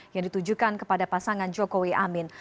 yang ditujukan kepada pasangan jokowi amin